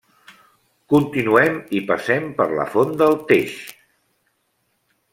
Continuem i passem per la font del Teix.